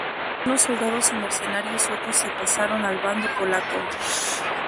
Algunos soldados y mercenarios suecos se pasaron al bando polaco.